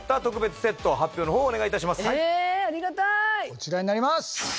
こちらになります！